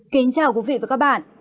kính chào quý vị và các bạn